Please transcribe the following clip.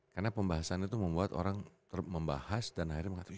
karena pembahasan itu membuat orang membahas dan akhirnya mengatakan